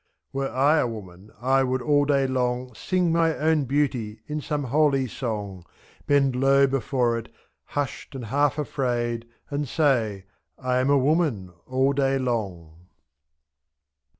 Were I a woman^ I would all day long Sing my own beauty in some holy songy S3* Bend low before it, hushed and half afraid^ And say "/ am a woman " all day long.